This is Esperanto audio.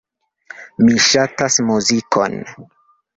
Mi ŝatas muzikon.